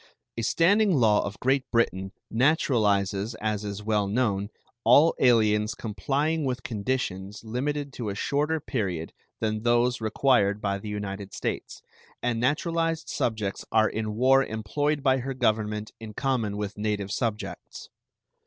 A standing law of Great Britain naturalizes, as is well known, all aliens complying with conditions limited to a shorter period than those required by the United States, and naturalized subjects are in war employed by her Government in common with native subjects.